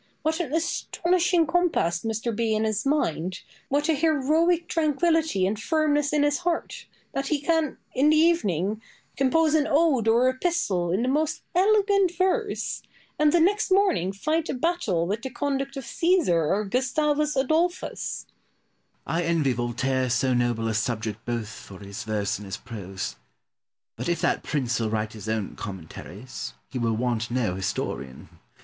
What an astonishing compass must there be in his mind, what an heroic tranquillity and firmness in his heart, that he can, in the evening, compose an ode or epistle in the most elegant verse, and the next morning fight a battle with the conduct of Caesar or Gustavus Adolphus! Pope. I envy Voltaire so noble a subject both for his verse and his prose. But if that prince will write his own commentaries, he will want no historian.